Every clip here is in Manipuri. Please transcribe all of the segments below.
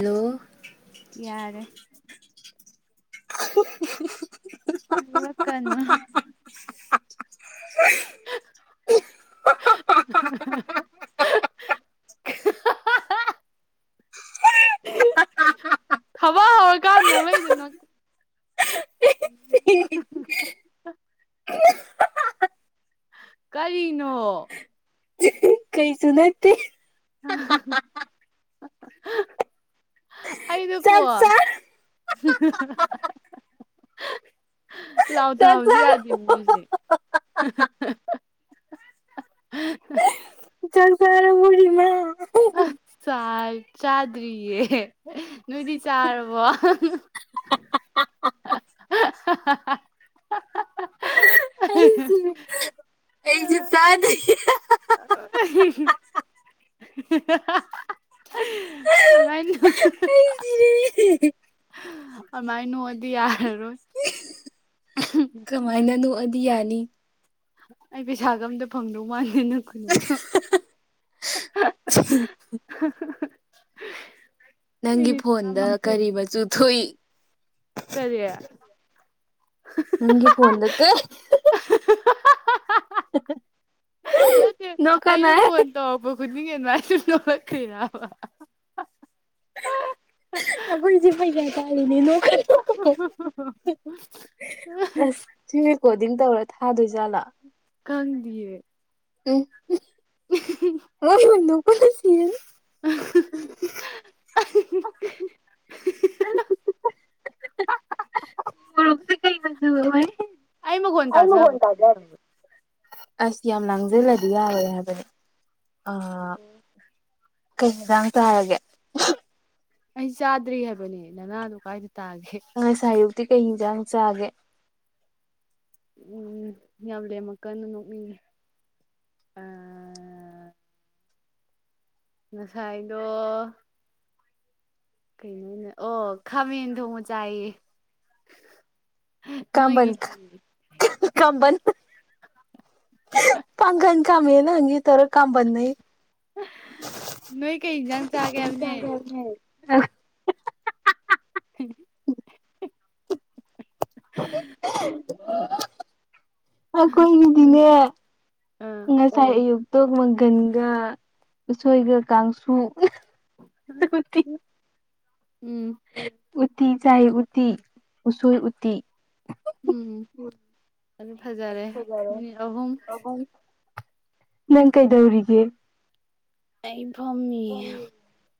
ꯍꯜꯂꯣ ꯌꯥꯔꯦ ꯍ ꯍ ꯍ ꯍ ꯕꯔꯣꯢ ꯀꯅꯥ ꯊꯕꯛ ꯍꯧꯔꯀꯥꯟꯗ ꯅꯣꯛꯂꯛꯏꯗꯣ ꯅꯣꯏ ꯍ ꯍ ꯍ ꯀꯔꯤꯅꯣ ꯀꯩꯁꯨ ꯅꯠꯇꯦ ꯑꯩꯗꯣꯀꯣ ꯆꯥꯛ ꯆꯥ ꯂꯥꯎ ꯆꯥꯛ ꯊꯥꯕꯁꯨ ꯆꯥꯔ ꯌꯥꯗꯦ ꯃꯤꯁꯦ ꯆꯥꯛ ꯆꯥꯔꯕꯣ ꯔꯤꯃꯥ ꯆꯥꯛ ꯆꯥꯗꯔꯤꯌꯦ ꯅꯣꯏꯗꯤ ꯆꯥꯔꯕꯣ ꯑꯩꯁꯨ ꯑꯩꯁꯨ ꯆꯥꯗꯦ ꯑꯗꯨꯃꯥꯏ ꯅꯣꯛ ꯑꯩ ꯁꯤꯔꯦ ꯑꯃꯥꯏ ꯅꯣꯛꯑꯗꯤ ꯌꯥꯔꯔꯣꯏ ꯑꯗꯨꯃꯥꯏꯅ ꯅꯣꯛꯑꯗꯤ ꯌꯥꯅꯤ ꯑꯩ ꯄꯩꯁꯥꯒ ꯑꯝꯇ ꯐꯪꯗꯧ ꯃꯥꯥꯟꯗꯦ ꯅꯣꯏ ꯈꯨꯅꯣꯛꯇꯣ [unintelligible] [unintelligible] ꯅꯪꯒꯤ ꯃꯤꯅꯤꯠ ꯐꯣꯟꯗ ꯇꯔꯥꯃ ꯀꯔꯤ ꯃꯆꯨ ꯊꯣꯛꯏ ꯀꯔꯤ ꯅꯪꯒꯤ ꯐꯣꯟ ꯗ ꯀꯩ ꯅꯠꯇꯦ ꯅꯣꯛꯀꯅꯣ ꯑꯩꯅ ꯍꯦ ꯐꯣꯟ ꯇꯧꯔꯛꯄ ꯈꯨꯗꯤꯡ ꯃꯤꯅ ꯑꯗꯨꯃꯥꯏ ꯅꯣꯛꯂꯛꯇꯧꯏꯔꯕ ꯑꯈꯣꯏꯖꯦ ꯄꯩꯁꯥ ꯇꯥꯜꯂꯤꯅꯦ ꯑꯁ ꯁꯤ ꯔꯤꯀꯣꯗꯤꯡ ꯇꯧꯔꯥ ꯊꯥꯗꯣꯏ ꯖꯠꯂ ꯈꯪꯗꯤꯌꯦ ꯎꯝ ꯃꯣꯏ ꯅꯣꯛꯄꯅ [unintelligible] [unintelligible] ꯑꯩ ꯃꯈꯣꯟ ꯇꯥꯖꯥꯕ꯭ꯔꯣ ꯀꯩꯅꯣꯝ ꯇꯧꯌꯦ ꯑꯁ ꯌꯥꯝ ꯂꯥꯡꯖꯤꯜꯂꯗꯤ ꯌꯥꯔꯣꯏ ꯍꯥꯏꯕꯅꯦ ꯑꯥ ꯀꯩ ꯌꯦꯟꯁꯥꯡ ꯆꯥꯔꯒꯦ ꯑꯩ ꯆꯥꯗ꯭ꯔꯤ ꯍꯥꯏꯕꯅꯦ ꯅꯅꯥꯗꯣ ꯀꯥꯏꯗ ꯇꯒꯦ ꯇꯤ ꯀꯩ ꯌꯦꯟꯁꯥꯡ ꯆꯥꯒꯦ ꯎꯝ ꯌꯥꯝ ꯂꯦꯝꯃꯛꯀꯅꯨ ꯅꯣꯛꯅꯤꯡꯉꯦ ꯑ ꯑꯑ ꯉꯁꯥꯏꯗꯣ ꯀꯩꯅꯣꯅꯦ ꯑꯣ ꯈꯃꯦꯟ ꯊꯣꯡꯕ ꯆꯥꯏꯌꯦ ꯅꯣꯏꯒꯤꯗꯤ [unintelligible] ꯀꯝꯕꯟ ꯄꯥꯡꯒꯟ ꯈꯥꯃꯦꯟꯂ ꯍꯪꯒꯦ ꯇꯧ ꯀꯥꯔꯛ ꯀꯥꯝꯕꯟꯅꯩ ꯅꯣꯏ ꯀꯩ ꯅꯣꯏ ꯀꯩ ꯌꯦꯟꯖꯥꯡ ꯏꯟꯁꯥꯡ ꯍꯥꯏꯕꯅꯦ ꯆꯥꯒꯦ ꯍꯥꯏꯕꯅꯦ [unintelligible] [inaudible] [inaudible] [unintelligible] ꯑ ꯀꯣꯏꯒꯤꯗꯤꯅꯦ ꯑꯥ ꯉꯁꯥꯏ ꯑꯌꯨꯛ ꯇꯣ ꯃꯪꯒꯟꯒ ꯎꯁꯣꯏꯒ ꯀꯥꯡꯁꯨ [unintelligible] ꯎꯝ ꯎꯇꯤ ꯆꯥꯏ ꯎꯇꯤ ꯎꯁꯣꯏ ꯎꯇꯤ ꯎꯝ ꯑꯗꯨ ꯐꯖꯔꯦ ꯃꯤꯅꯤꯠ ꯑꯍꯨꯝ ꯅꯪ ꯀꯩꯗꯧꯔꯤꯒꯦ ꯑꯩꯝ ꯐꯝꯃꯤꯌꯦ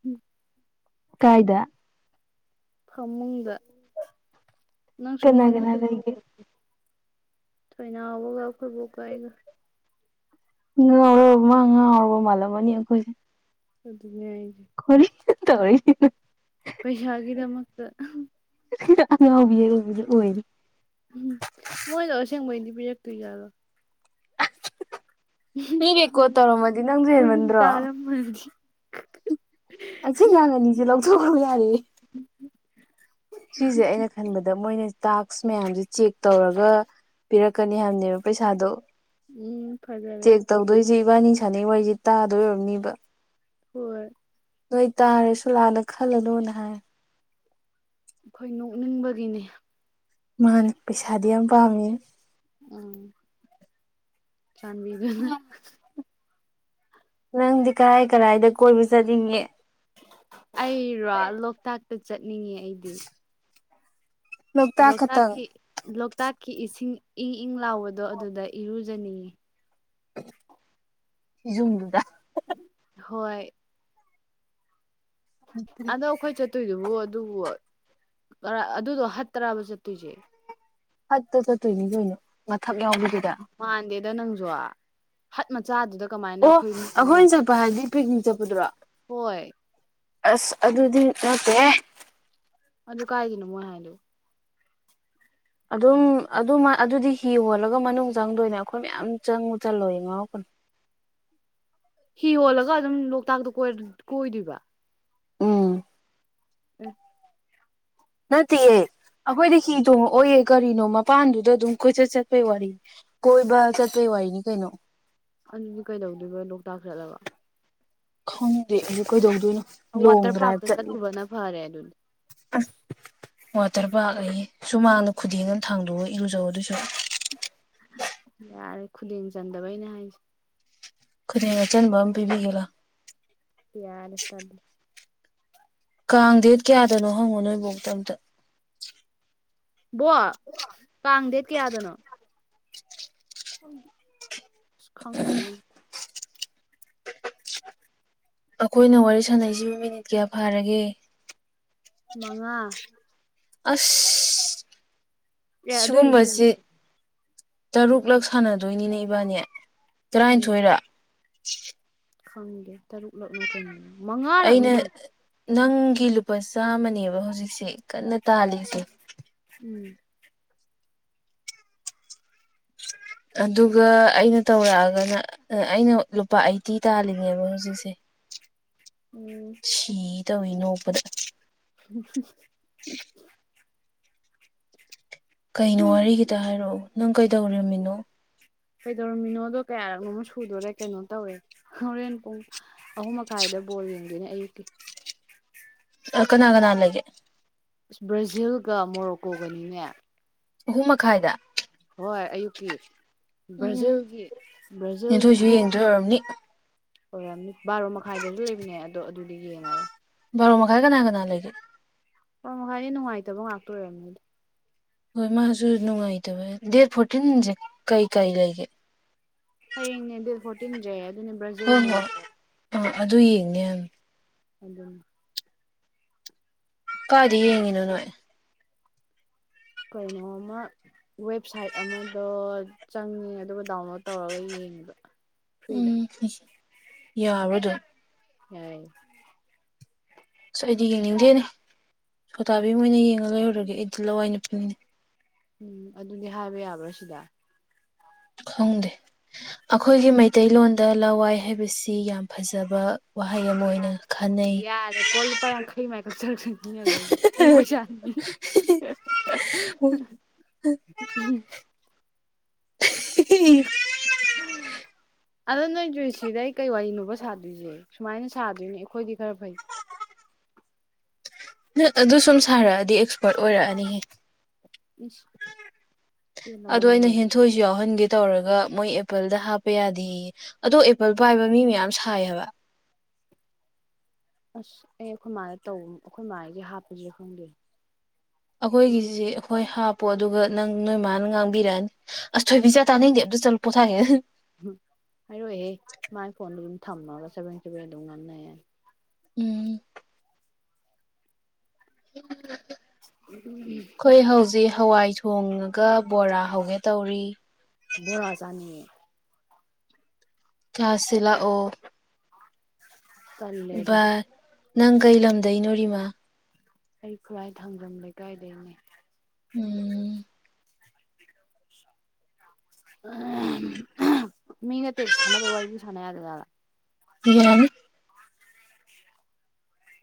ꯍꯨꯝ ꯀꯥꯏꯗ ꯐꯃꯨꯡꯗ ꯅꯪ ꯁꯨꯝ ꯀꯅꯥ ꯍꯪꯉꯣ ꯀꯅꯥ ꯂꯩꯒꯦ ꯊꯣꯏꯅꯥꯎꯕꯒ ꯑꯈꯣꯏ ꯕꯣꯛꯀ ꯑꯩꯒ ꯉꯥꯎꯔꯧ ꯃꯥ ꯉꯥꯎꯔꯕ ꯃꯥꯜꯂꯝꯃꯅꯤ ꯑꯈꯣꯏꯁꯦ ꯑꯗꯨ ꯅꯦ ꯍꯥꯢꯖꯦ ꯇꯧꯔꯤ ꯄꯩꯁꯥꯒꯤ ꯗꯃꯛꯇ ꯑꯊꯤꯗ ꯑꯉꯥꯎꯕꯤ ꯍꯥꯏꯕꯗꯣ ꯑꯣꯏꯔꯤ ꯃꯤꯌꯛ ꯇꯤ ꯌꯥꯔꯣ ꯃꯤ ꯔꯦꯀꯣꯔꯠ ꯇꯧꯔꯝꯃꯗꯤ ꯅꯪꯁꯨ ꯃꯟ ꯍꯦꯟꯃꯟꯗ꯭ꯔꯣ ꯇꯥꯔꯝ ꯃꯗꯤ ꯊꯣꯛꯈ ꯌꯥꯔꯦ ꯎꯝ ꯁꯤꯖꯦ ꯑꯩꯅ ꯈꯟꯕꯗ ꯃꯣꯏꯅ ꯇꯥꯛꯁ ꯃꯌꯥꯝꯁꯦ ꯆꯦꯛ ꯇꯧꯔꯒ ꯄꯤꯔꯛꯀꯅꯤ ꯍꯥꯏꯕꯅꯦꯕ ꯄꯩꯁꯥꯗꯣ ꯎꯝ ꯐꯖꯔꯦ ꯆꯦꯛ ꯇꯧꯗꯣꯏꯁꯦ ꯏꯕꯅꯤ ꯁꯅꯩ ꯋꯥꯔꯤꯁꯦ ꯇꯥꯗꯣꯏ ꯑꯣꯏꯔꯝꯅꯤꯕ ꯍꯣꯏ ꯅꯣꯏ ꯇꯥꯔꯁꯨ ꯂꯥꯟꯅ ꯈꯜꯂꯅꯣꯅ ꯍꯥꯏ ꯑꯈꯣꯏ ꯅꯣꯛꯅꯤꯡꯕꯒꯤꯅꯦ ꯃꯥꯅꯤ ꯄꯩꯁꯥꯗꯤ ꯌꯥꯝ ꯄꯥꯝꯃꯦ ꯑꯪ ꯆꯥꯟꯕꯤꯗꯨꯅ ꯅꯪꯗꯤ ꯀꯔꯥꯏ ꯀꯔꯥꯏꯗ ꯀꯣꯏꯕ ꯆꯠꯅꯤꯡꯉꯤ ꯑꯩꯔꯣ ꯂꯣꯛꯇꯥꯛ ꯇꯆꯠ ꯅꯤꯡꯉꯦ ꯑꯩꯗꯤ ꯂꯣꯛꯇꯥꯛ ꯈꯛꯇꯪ ꯂꯣꯛꯇꯥꯛꯀꯤ ꯂꯣꯛꯇꯥꯛꯀꯤ ꯏꯁꯤꯡ ꯏ ꯏ ꯃ ꯂꯥꯎꯕꯗꯣ ꯑꯗꯨꯗ ꯏꯔꯨ ꯖꯅꯤꯡꯉꯦ ꯐꯤꯖꯨꯝꯗꯨꯗ ꯍꯣꯏ ꯑꯗꯣ ꯑꯩꯈꯣꯏ ꯆꯠꯇꯣꯏꯗꯨꯕꯨ ꯑꯗꯨꯕꯨ ꯀꯔꯥ ꯑꯗꯨꯗꯣ ꯍꯠꯇꯔꯥꯕ ꯆꯠꯇꯣꯏꯁꯦ ꯍꯠꯇ ꯆꯠꯇꯣꯏꯅꯤ ꯀꯩꯅꯣ ꯃꯊꯛ ꯌꯥꯎꯕꯤꯗꯨ ꯃꯥꯟꯗꯦ ꯗ ꯅꯪꯁꯨ ꯍꯠ ꯃꯆꯥꯗꯨꯗ ꯀꯃꯥꯏꯅ ꯑꯣ ꯑꯩꯈꯣꯏ ꯃꯤ ꯑꯩꯈꯣꯏꯅ ꯌꯥꯡꯈꯩ ꯆꯠꯄ ꯍꯥꯏꯗꯤ ꯄꯤꯛꯅꯤꯛ ꯆꯞ ꯎꯗꯨꯔ ꯍꯣꯏ ꯑꯁ ꯑꯗꯨꯗꯤ ꯅꯠꯇꯦꯍꯦ ꯑꯗꯨ ꯀꯥꯏꯒꯤꯅꯣ ꯃꯣꯢ ꯍꯥꯢꯗꯣ ꯑꯗꯨꯝ ꯑꯗꯨ ꯃꯥ ꯑꯗꯨꯗꯤ ꯍꯤ ꯍꯣꯜꯂꯒ ꯃꯅꯨꯡ ꯆꯪꯗꯣꯏꯅꯦ ꯑꯩꯈꯣꯏ ꯃꯌꯥꯝ ꯆꯪꯉꯨ ꯆꯜꯂꯣꯢꯌꯦ ꯉꯥꯎꯔꯛꯀꯅꯨ ꯍꯤ ꯍꯣꯜꯂꯒ ꯑꯗꯨꯝ ꯂꯣꯛꯇꯥꯛꯇꯣ ꯀꯣꯢ ꯀꯣꯏꯗꯣꯏꯕ ꯎꯝ ꯎꯝ ꯅꯠꯇꯦꯌꯦ ꯑꯩꯈꯣꯏꯗꯤ ꯍꯤ ꯇꯣꯡꯉꯛꯑꯣꯏꯌꯦ ꯀꯔꯤꯅꯣ ꯃꯄꯥꯟꯗꯨꯗ ꯑꯗꯨꯝ ꯀꯣꯏꯆꯠ ꯆꯠꯄꯩ ꯋꯥꯔꯤꯅꯤ ꯀꯣꯏꯕ ꯆꯠꯄꯩ ꯋꯥꯔꯤꯅꯤ ꯀꯩꯅꯣ ꯑꯗꯨꯗꯤ ꯀꯩꯗꯧꯗꯣꯏꯕ ꯂꯣꯛꯇꯥꯛ ꯆꯠꯂꯒ ꯈꯪꯗꯦ ꯑꯗꯨ ꯀꯩꯗꯧꯗꯣꯏꯅꯣ ꯂꯣꯡ ꯋꯥꯇꯔ ꯗ꯭ꯔꯥꯚ ꯄꯥꯔꯛꯇ ꯆꯠꯂꯨ ꯆꯠꯂꯨꯕꯅ ꯐꯔꯦ ꯑꯗꯨꯗꯤ ꯑꯁ ꯋꯥꯇꯔ ꯕꯥꯛ ꯑꯦ ꯁꯨꯃꯥꯡꯅ ꯈꯨꯗꯦꯡ ꯑꯃ ꯊꯥꯡꯗꯣꯛꯑ ꯏꯔꯨꯖꯧ ꯑꯗꯨꯏꯁꯔꯨꯛ ꯌꯥꯔꯦ ꯈꯨꯗꯦꯡ ꯆꯟꯗꯕꯩꯅꯦ ꯍꯥꯏꯁꯦ ꯈꯨꯗꯦꯡ ꯑꯆꯟꯕ ꯑꯃ ꯄꯤꯕꯤꯒꯦ ꯂꯥꯎ ꯌꯥꯔꯦ ꯇꯟ ꯀꯥꯡ ꯗꯦꯠ ꯀꯌꯥꯗꯅꯣ ꯍꯪꯉꯣ ꯅꯣꯏꯕꯣꯛꯇ ꯑꯝꯇ ꯕꯣꯛ ꯀꯥꯡ ꯗꯦꯠ ꯀꯌꯥꯗꯅꯣ ꯁ ꯈꯪꯗꯦꯌꯦ ꯑꯩꯈꯣꯏꯅ ꯋꯥꯔꯤ ꯁꯥꯟꯅꯩꯁꯤꯕꯨ ꯃꯤꯅꯤꯠ ꯀꯌꯥ ꯐꯥꯔꯒꯦ ꯃꯉꯥ ꯑꯁ ꯑꯦ ꯑꯗꯨꯏꯁꯨ ꯁꯤꯒꯨꯝꯕꯁꯤ ꯊꯨꯢꯗꯨꯅꯦ ꯇꯔꯨꯛꯂꯛ ꯁꯥꯟꯅꯗꯣꯏꯅꯤꯅꯦ ꯏꯕꯥꯅꯤ ꯎꯝ ꯇꯔꯥꯅꯤꯊꯣꯏꯔ [inaudible] ꯈꯪꯗꯦ ꯇꯔꯨꯛꯂꯛꯅ ꯀꯩꯅꯣ ꯃꯉꯥꯔꯛꯅꯤ ꯑꯩꯅ ꯀꯩꯅꯣ ꯅꯪꯒꯤ ꯂꯨꯄꯥ ꯆꯥꯃꯅꯦꯕ ꯍꯧꯖꯤꯛꯁꯦ ꯀꯟꯅ ꯇꯥꯜꯂꯤꯁꯦ ꯎꯝ ꯑꯗꯨꯒ ꯑꯩꯅ ꯇꯧꯔꯛꯑꯒꯅ ꯑꯩꯅ ꯂꯨꯄꯥ ꯑꯩꯠꯇꯤ ꯇꯥꯜꯂꯤꯅꯦꯦꯕ ꯍꯧꯖꯤꯛꯁꯦ ꯎꯝ ꯁꯤ ꯇꯧꯋꯅꯣꯗ [inaudible] ꯀꯩꯅꯣ ꯍꯨꯝ ꯋꯥꯔꯤꯒꯤꯇ ꯍꯥꯏꯔꯛꯎ ꯅꯪ ꯀꯩꯗꯧꯔꯝꯃꯤꯅꯣ ꯀꯩꯗꯧꯔꯝꯃꯤꯅꯣꯗꯣ ꯀꯌꯥꯔꯣ ꯁꯨꯗꯣꯔꯦ ꯀꯩꯅꯣ ꯇꯧꯋꯦ ꯍꯣꯔꯦꯟ ꯄꯨꯡ ꯑꯍꯨꯝ ꯃꯈꯥꯏꯗ ꯕꯣꯜ ꯌꯦꯡ ꯑꯌꯨꯛꯀꯤ ꯀꯅꯥ ꯀꯅꯥ ꯂꯩꯒꯦ ꯑ ꯕ꯭ꯔꯥꯖꯤꯜꯒ ꯃꯣꯔꯣꯀꯣꯒꯅꯤꯅꯦ ꯑꯍꯨꯝꯃ ꯈꯥꯏꯗ ꯍꯣꯏ ꯑꯌꯨꯛꯀꯤ ꯎꯝ ꯕ꯭ꯔꯥꯖꯤꯜꯒꯤ ꯕ꯭ꯔꯥꯖꯤꯜꯅ ꯅꯦꯟꯊꯣꯏꯁꯨ ꯍꯟꯗꯛ ꯌꯦꯡꯗꯣꯏ ꯑꯣꯏꯔꯝꯅꯤ ꯑꯣꯏꯔ ꯕꯥꯔꯣ ꯃꯈꯥꯏꯗꯁꯨ ꯂꯩꯕꯅꯦ ꯑꯗꯣ ꯑꯗꯨꯗꯤ ꯌꯦꯡꯉꯔꯣꯏ ꯕꯥꯔꯣ ꯃꯈꯥꯏ ꯀꯅꯥ ꯀꯅꯥ ꯂꯩꯒꯦ ꯍ ꯃꯈꯥꯏꯗꯤ ꯅꯨꯡꯉꯥꯏꯇꯕ ꯉꯥꯛꯇꯣꯔꯔꯝꯅꯤꯗꯤ ꯍꯣꯏ ꯃꯥꯁꯨ ꯅꯨꯡꯉꯥꯏꯇꯕꯦ ꯗꯦꯠ ꯐꯣꯔꯇꯤꯟꯁꯦ ꯀꯩ ꯀꯩ ꯂꯩꯒꯦ ꯍꯌꯦꯡꯅꯦ ꯗꯦꯠ ꯐꯣꯔꯇꯤꯟꯖꯦ ꯑꯗꯨ ꯕꯥꯖꯤꯜ ꯍꯣꯏ ꯍꯣꯏ ꯃꯣꯔꯣꯛꯀꯣ ꯑꯥ ꯑꯗꯨ ꯌꯦꯡꯅꯦ [unintelligible] ꯑꯗꯨꯅꯦ ꯀꯥꯏꯗꯤ ꯌꯦꯡꯉꯤꯅꯣ ꯅꯣꯏ ꯀꯩꯅꯣꯃ ꯋꯦꯕꯁꯥꯏꯠ ꯑꯃꯗꯣ ꯆꯪꯉꯦ ꯑꯗꯨꯒ ꯗꯥꯎꯟꯂꯣꯗ ꯇꯧꯔꯒ ꯌꯦꯡꯉꯦꯕ ꯐ꯭ꯔꯤꯗ ꯎꯝ ꯌꯥꯕ꯭ꯔꯣ ꯗꯨꯝ ꯌꯥꯏ ꯑꯁ ꯑꯩꯗꯤ ꯌꯦꯡꯅꯤꯡꯗꯦꯅꯦ ꯁꯣꯇꯥꯥꯕꯤꯝ ꯑꯣꯏꯅ ꯌꯦꯡꯉꯒ ꯂꯩꯔꯨꯔꯒꯦ ꯑꯩꯗꯤ ꯂꯋꯥꯏ ꯅꯨ ꯄꯨꯅꯤꯡꯅꯦ ꯎꯝ ꯑꯗꯨꯗꯤ ꯍꯥꯏꯕ ꯌꯥꯕ꯭ꯔꯥ ꯁꯤꯗ ꯈꯪꯗꯦ ꯑꯩꯈꯣꯏꯒꯤ ꯃꯩꯇꯩꯂꯣꯟꯗ ꯂꯋꯥꯏ ꯍꯥꯏꯕꯁꯤ ꯌꯥꯝ ꯐꯖꯕ ꯋꯥꯍꯩ ꯑꯃ ꯑꯣꯏꯅ ꯌꯥꯔꯦ ꯈꯟꯅꯩ ꯌꯥꯔꯦ ꯀꯣꯜ ꯂꯨꯄ ꯌꯥꯡꯈꯩ ꯥꯃꯥꯏ ꯀꯛꯆꯔꯛꯁꯅꯤ ꯑꯗꯨꯗꯩꯗꯤ ꯑꯩ ꯄꯩꯁꯥ [inaudible] ꯑꯗꯣ ꯅꯣꯏꯗꯨꯨꯏ ꯁꯤꯗ ꯑꯩ ꯀꯩ ꯋꯥꯔꯤꯅꯣꯕ ꯁꯥꯗꯣꯏꯁꯦ ꯁꯨꯃꯥꯏꯅ ꯁꯥꯗꯣꯏꯅꯤ ꯑꯩꯈꯣꯏꯗꯤ ꯈꯔ ꯐꯩ ꯅ ꯑꯗꯨ ꯁꯨꯝ ꯁꯥꯔꯛꯑꯗꯤ ꯑꯦꯛꯁꯄꯔꯠ ꯑꯣꯏꯔꯛꯑꯅꯤꯍꯦ ꯏꯤꯁ ꯑꯗꯣ ꯑꯩꯅ ꯍꯦꯟꯊꯣꯏꯁꯨ ꯌꯥꯎꯍꯟꯒꯦ ꯇꯧꯔꯒ ꯃꯣꯏ ꯑꯦꯄꯜꯗ ꯍꯥꯞꯄ ꯌꯥꯗꯦꯌꯦ ꯑꯗꯣ ꯑꯦꯄꯜ ꯄꯥꯏꯕ ꯃꯤ ꯃꯌꯥꯝ ꯁꯥꯏ ꯍꯥꯏꯕ ꯑꯁ ꯑꯩ ꯑꯩꯈꯣꯏ ꯃꯥꯗ ꯇꯧ ꯑꯩꯈꯣꯏꯃꯥꯏꯖꯦ ꯍꯥꯞꯄꯖꯤꯔ ꯈꯪꯗꯦ ꯑꯩꯈꯣꯏꯒꯤꯁꯤ ꯑꯩꯈꯣꯏ ꯍꯥꯞꯄꯣ ꯑꯗꯨꯒ ꯅꯪ ꯅꯣꯏ ꯃꯥꯅ ꯉꯥꯡꯕꯤꯔꯛꯑꯅꯤ ꯑꯁ ꯊꯣꯏꯕꯤꯆꯥ ꯇꯥꯅꯤꯡꯗꯦ ꯑꯝꯇ ꯆꯠꯂ ꯄꯣꯊꯥꯒꯦ ꯍꯥꯏꯔꯣꯏꯍꯦ ꯃꯥꯥꯏ ꯐꯣꯟ ꯊꯝꯃꯒ ꯆꯕꯦꯡ ꯆꯕꯦꯡ ꯑꯗꯨꯝ ꯉꯥꯡꯅꯌꯥꯏ ꯎꯝ [inaudible] ꯎꯝ ꯑꯩꯈꯣꯏ ꯍꯧꯖꯤꯛ ꯍꯋꯥꯏ ꯊꯣꯡꯉꯒ ꯕꯣꯔꯥ ꯍꯧꯒꯦ ꯇꯧꯔꯤ ꯕꯣꯔꯥ ꯆꯥꯅꯤꯡꯉꯦ ꯆꯥꯁꯤ ꯂꯥꯛꯑꯣ ꯇꯜꯂꯦ ꯑꯗꯨꯗꯤ ꯕꯥꯏ ꯅꯪ ꯀꯩ ꯂꯝꯗꯩꯅꯣ ꯔꯤꯃꯥ ꯑꯩ ꯈꯨꯔꯥꯏ ꯊꯥꯡꯖꯝ ꯂꯩꯀꯥꯏꯗꯩꯅꯦ ꯎꯝ ꯎ ꯃꯤꯒ ꯇꯦꯛꯁ ꯊꯥꯅꯕꯒꯤ ꯋꯥꯔꯤꯗꯤ ꯁꯥꯟꯅ ꯌꯥꯗꯖꯥꯠꯂ ꯌꯥꯅꯤ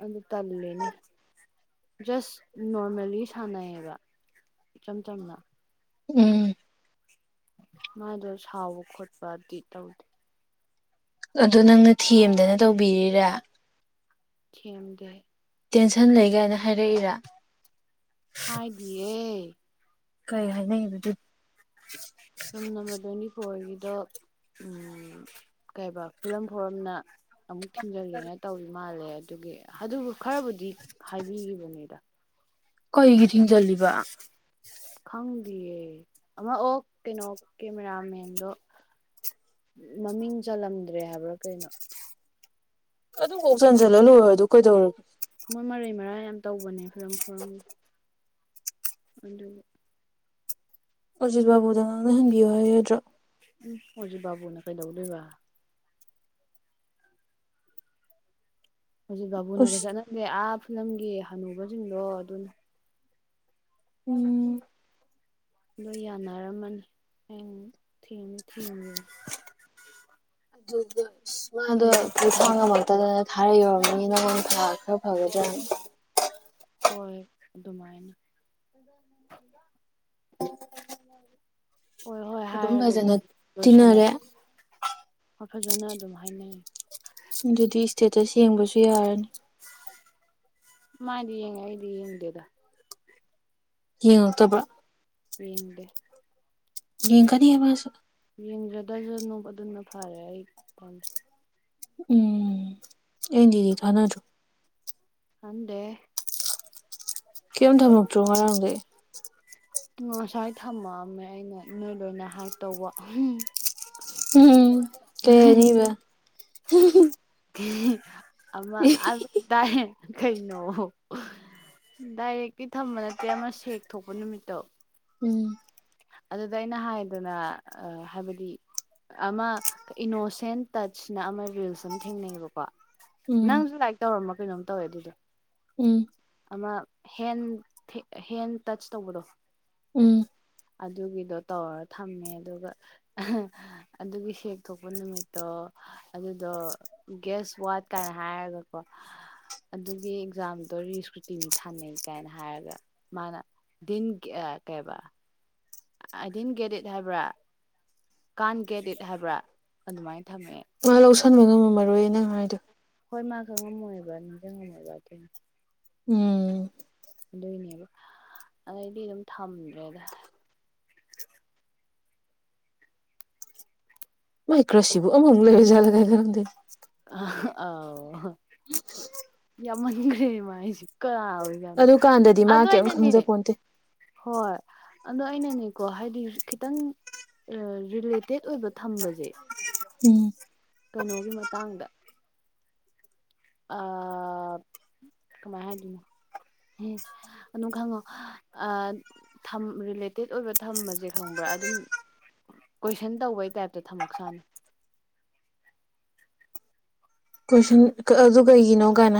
ꯑꯗꯨ ꯇꯜꯂꯦꯅꯦ ꯖꯁ ꯅꯣꯔꯃꯦꯜꯂꯤ ꯁꯥꯟꯅꯩꯌꯦꯕ ꯏꯆꯝ ꯆꯝꯅ ꯎꯝ ꯃꯥꯏꯗꯣ ꯁꯥꯎꯕ ꯈꯣꯠꯄꯗꯤ ꯇꯧꯗꯦ ꯑꯗꯣ ꯅꯪꯅ ꯊꯦꯝꯗꯅ ꯇꯧꯕꯤꯔꯤꯔꯥ ꯊꯦꯝꯗꯦ ꯇꯦꯟꯁꯟ ꯂꯩꯒꯥꯏꯅ ꯍꯥꯏꯔꯛꯏꯔ ꯍꯥꯏꯗꯤꯌꯦ ꯀꯩ ꯍꯥꯏꯅꯩꯕ ꯑꯗꯨ ꯔꯨꯝ ꯅꯝꯕꯔ ꯇ꯭ꯋꯦꯟꯇꯤꯐꯣꯔꯒꯤ ꯑꯗꯣ ꯎꯝ ꯀꯩꯕ ꯐꯤꯂꯝ ꯐꯣꯔꯝꯅ ꯑꯃꯨꯛ ꯊꯤꯡꯖꯤꯜꯂꯦꯅ ꯇꯧꯔꯤ ꯃꯥꯜꯂꯦ ꯑꯗꯨꯒꯤ ꯑꯗꯨꯕꯨ ꯈꯔꯕꯨꯗꯤ ꯍꯥꯏꯕꯤꯒꯤꯕꯅꯦꯗ ꯀꯩꯒꯤ ꯊꯤꯡꯖꯜꯂꯤꯕ ꯈꯪꯗꯤꯌꯦ ꯑꯃ ꯑꯣ ꯀꯩꯅꯣ ꯀꯦꯃꯦꯔꯥꯃꯦꯟꯗꯣ ꯃꯃꯤꯡ ꯆꯜꯂꯝꯗ꯭ꯔꯦ ꯍꯥꯏꯕ꯭ꯔꯥ ꯀꯩꯅꯣ ꯑꯗꯨ ꯀꯣꯛ ꯆꯟꯖꯜꯂ ꯂꯣꯏꯔ ꯑꯗꯨ ꯀꯩꯗꯧꯔꯒꯦ ꯃꯣꯏ ꯃꯔꯩ ꯃꯔꯥꯡ ꯌꯥꯝ ꯇꯧꯕꯅꯦ ꯐꯤꯂꯝ ꯐꯣꯔꯝ [unintelligible] ꯑꯗꯨꯒꯤ ꯑꯣꯔꯖꯤꯠ ꯕꯥꯕꯨꯗ ꯉꯥꯡꯅꯍꯟꯕꯤꯌꯨ ꯍꯥꯏꯌꯨ ꯌꯥꯗ꯭ꯔꯣ ꯎꯝ ꯑꯣꯖꯤꯠꯕꯥꯕꯨꯅ ꯀꯩꯗꯧꯗꯣꯏꯕ ꯑꯣꯖꯤꯠꯕꯥꯕꯨꯅꯒ ꯑꯁ ꯆꯠꯅꯗꯦ ꯑꯐ ꯐꯤꯂꯝꯒꯤ ꯍꯅꯨꯕꯖꯤꯡꯗꯣ ꯑꯗꯨꯅ ꯎꯝ ꯑꯗꯣ ꯌꯥꯅꯔꯝꯃꯅꯤ ꯑꯩ ꯊꯦꯡ ꯊꯦꯡꯒꯦ [unintelligible] ꯑꯗꯨꯒ ꯁ ꯃꯥꯗꯣ ꯄꯨꯊꯥꯡ ꯉꯝꯃꯛꯇꯗꯅ [unintelligible] ꯊꯕꯛ ꯐꯥꯈ꯭ꯔꯖꯠꯅꯤ ꯍꯣꯏ ꯑꯗꯨꯃꯥꯏꯅ ꯍꯣꯏ ꯍꯣꯏ [inaudible] ꯑꯗꯨꯝ ꯐꯖꯅ ꯍꯥꯏꯔꯒꯕꯨꯗꯤ ꯂꯣꯏꯁꯟ ꯇꯤꯟꯅꯔꯦ ꯐꯖꯅ ꯑꯗꯨꯝ ꯍꯥꯏꯅꯩ ꯑꯗꯨꯗꯤ ꯁꯇꯦꯇꯁ ꯌꯦꯡꯕꯁꯨ ꯌꯥꯔꯅꯤ ꯃꯥꯏꯗꯤ ꯌꯦꯡꯉꯦ ꯑꯩꯗꯤ ꯌꯦꯡꯗꯦꯗ ꯌꯦꯡꯂꯛꯇꯕ ꯌꯦꯡꯗꯦ ꯌꯦꯡꯀꯅꯤꯍꯦ ꯃꯥꯁꯨ ꯑꯗꯨꯟꯅ ꯐꯥꯔꯦ ꯑꯩ ꯎꯝ ꯑꯦꯟꯗꯤ ꯗꯤ ꯊꯥꯅꯗ꯭ꯔꯣ ꯊꯥꯅꯗꯦꯍꯦ ꯀꯩꯝ ꯊꯥꯃꯛ ꯇ꯭ꯔꯣ ꯉꯔꯥꯡ ꯍ [unintelligible] ꯉꯁꯥꯏ ꯊꯝꯃꯛꯑꯝꯃꯦ ꯑꯩꯅ ꯅꯣꯏ ꯂꯣꯏꯅ ꯍꯥꯏ ꯇꯧꯕ ꯎꯝ ꯀꯔꯤꯕ [unintelligible] ꯎ [unintelligible] ꯑꯃ ꯑꯗꯨ ꯇꯥꯏ [unintelligible] ꯀꯩꯅꯣ ꯗꯥꯏꯔꯦꯛꯀꯤ ꯊꯝꯕ ꯅꯠꯇꯦ ꯑꯃ ꯁꯦꯛ ꯊꯣꯛꯄ ꯅꯨꯃꯤꯠꯇꯣ ꯎꯝ ꯑꯗꯨꯗ ꯑꯩꯅ ꯍꯥꯏꯗꯅ ꯍꯥꯏꯕꯗꯤ ꯑꯃ ꯏꯅꯣꯁꯦꯟ ꯇꯁꯅ ꯑꯃ ꯔꯤꯜꯁ ꯑꯃ ꯊꯦꯡꯅꯩꯌꯦꯕꯀꯣ ꯎꯝ ꯅꯪꯁꯨ ꯂꯥꯏꯔꯤꯛ ꯇꯧꯔꯝ ꯀꯩꯅꯣꯝ ꯇꯧꯋꯦ ꯑꯗꯨꯗꯣ ꯎꯝ ꯑꯃ ꯍꯦꯟ ꯍꯦꯟ ꯇꯆꯁ ꯇꯧꯕꯗꯣ ꯎꯝ ꯑꯗꯨꯒꯤꯗꯣ ꯇꯧꯔꯒ ꯊꯝꯃꯦ ꯑꯗꯨꯒ ꯑꯗꯨꯒꯤ ꯁꯦꯛ ꯊꯣꯛꯄ ꯅꯨꯃꯤꯠꯇꯣ ꯑꯗꯨꯗꯣ ꯒꯦꯁ ꯋꯥꯠ ꯀꯥꯏꯅ ꯍꯥꯏꯔꯒꯀꯣ ꯑꯗꯨꯒꯤ ꯑꯦꯛꯖꯥꯝꯗꯣ ꯔꯤꯁ ꯀꯨꯇꯤꯅꯤ ꯊꯥꯅꯩ ꯀꯥꯏꯅ ꯍꯥꯏꯔꯒ ꯃꯥꯅ ꯗꯤꯟ ꯀꯩꯕ ꯑꯗꯤꯟ ꯒꯦꯠ ꯏꯠ ꯍꯥꯏꯕ꯭ꯔꯥ ꯀꯥꯟꯒꯦꯗꯤꯠ ꯍꯥꯏꯕ꯭ꯔꯥ ꯑꯗꯨꯃꯥꯏꯅ ꯊꯝꯃꯦ ꯃꯥ ꯂꯧꯁꯟꯕ ꯉꯝꯃꯝꯃꯔꯣꯏ ꯅꯪ ꯍꯥꯏꯗꯣ ꯍꯣꯏ ꯃꯥ ꯈꯪꯉꯝꯃꯣꯏꯕ ꯅꯤꯡ ꯖꯪꯉꯝꯃꯣꯏꯕ ꯑꯗꯨ ꯎꯝ ꯑꯗꯨꯏꯅꯦꯕ ꯑꯗꯩꯗꯤ ꯑꯗꯨꯝ ꯊꯝꯃꯦ ꯗ꯭ꯔꯦꯗ [unintelligible] ꯃꯥꯏ ꯀ꯭ꯔꯁꯁꯤꯕꯨ ꯑꯃꯃꯨꯛ ꯂꯩꯔꯖꯥꯠꯂ ꯈꯪꯗꯦ ꯑ ꯑꯥꯎ ꯎ [unintelligible] ꯌꯥꯝꯃꯟꯒꯔꯦ ꯃꯥꯥꯏꯖꯤ ꯀꯥꯅ ꯑꯗꯨꯀꯥꯟꯗꯗꯤ ꯃꯥ ꯑꯗꯨ ꯀꯩꯝ ꯑꯩꯅꯅꯦ ꯈꯪꯖꯄꯣꯟꯇꯦ ꯍꯣꯏ ꯑꯗꯣ ꯑꯩꯅꯅꯦꯀꯣ ꯍꯥꯏꯗꯤ ꯈꯤꯇꯪ ꯔꯤꯂꯦꯇꯦꯠ ꯑꯣꯏꯕ ꯊꯝꯕꯁꯦ ꯎꯝ ꯀꯩꯅꯣꯒꯤ ꯃꯇꯥꯡꯗ ꯑꯥ ꯀꯃꯥꯏꯅ ꯍꯥꯏꯗꯣꯏꯅꯣ ꯍꯦ ꯑꯗꯨꯝ ꯈꯪꯉꯣ ꯑꯥ ꯊꯝ ꯔꯤꯂꯦꯇꯦꯠ ꯑꯣꯏꯕ ꯊꯝꯕꯁꯦ ꯈꯪꯕ꯭ꯔꯥ ꯑꯗꯨꯝ ꯀꯣꯏꯁꯟ ꯇꯧꯕꯩ ꯇꯥꯏꯞꯇ ꯊꯝꯃꯛ ꯁꯥꯥꯅꯤ ꯀꯣꯏꯁꯟ ꯑꯗꯨ ꯀꯩꯒꯤꯅꯣ ꯀꯥꯏꯅ